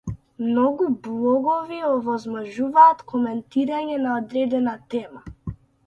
Многу блогови овозможуваат коментирање на одредена тема.